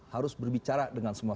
harus berbicara dengan semua